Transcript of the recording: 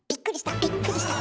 びっくりした。